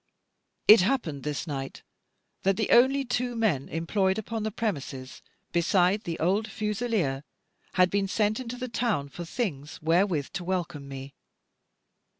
It happened this night that the only two men employed upon the premises, beside the old fusileer, had been sent into the town for things wherewith to welcome me.